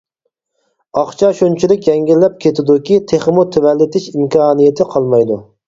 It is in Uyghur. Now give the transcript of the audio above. ئاقچا شۇنچىلىك يەڭگىللەپ كېتىدۇكى، تېخىمۇ تۆۋەنلىتىش ئىمكانىيىتى قالمايدۇ.